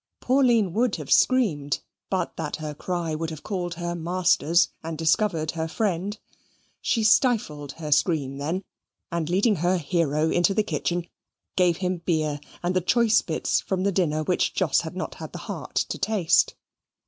Pauline would have screamed, but that her cry would have called her masters, and discovered her friend. She stifled her scream, then, and leading her hero into the kitchen, gave him beer, and the choice bits from the dinner, which Jos had not had the heart to taste.